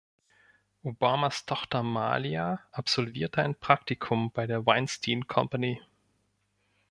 Obamas Tochter Malia absolvierte ein Praktikum bei der Weinstein Company.